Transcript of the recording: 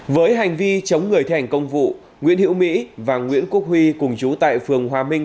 với hành vi chống người thi hành công vụ nguyễn hiễu mỹ và nguyễn quốc huy cùng chú tại phường hòa minh